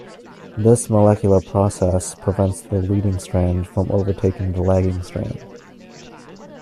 This molecular process prevents the leading strand from overtaking the lagging strand.